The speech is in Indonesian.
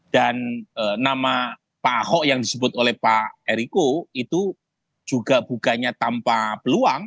dan nama pak ahok yang disebut oleh pak errico itu juga bukanya tanpa peluang